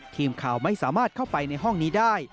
ทีมข่าวไม่สามารถเข้าไปในห้องนี้ได้